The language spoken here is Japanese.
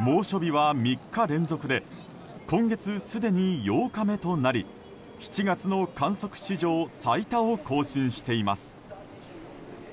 猛暑日は３日連続で今月すでに８日目となり７月の観測史上最多を更新しています。